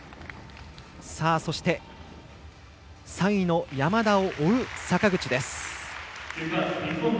そして、３位の山田を追う坂口。